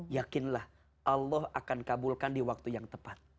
yakinlah allah akan kabulkan di waktu yang tepat